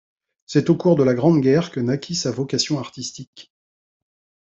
C'est au cours de la Grande Guerre que naquit sa vocation artistique.